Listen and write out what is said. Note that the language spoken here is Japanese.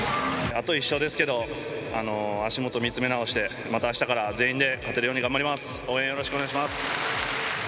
あと１勝ですけど、足元見つめ直して、またあしたから全員で勝てるように頑張ります。